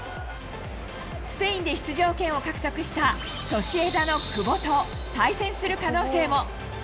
スペインで出場権を獲得したソシエダの久保と、対戦する可能性も。